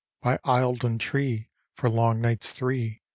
" By Eildon tree, for long nights three.